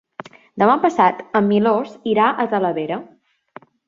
Demà passat en Milos irà a Talavera.